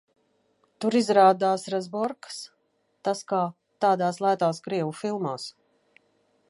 Tur izrādās razborkas. Tas kā tādās lētās krievu filmās.